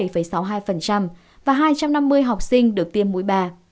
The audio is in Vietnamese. và hai trăm năm mươi học sinh được tiêm mũi ba